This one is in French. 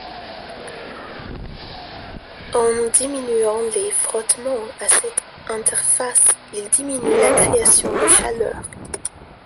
En diminuant les frottement à cette interface, ils diminuent la création de chaleur.